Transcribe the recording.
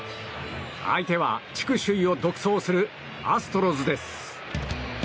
相手は、地区首位を独走するアストロズです。